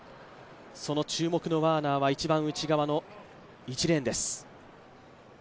その注目のワーナーは一番内側の１レーンです。